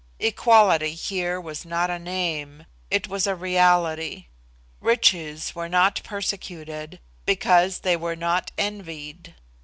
Equality here was not a name; it was a reality. Riches were not persecuted, because they were not envied.